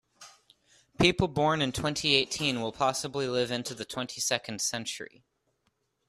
People born in twenty-eighteen will possibly live into the twenty-second century.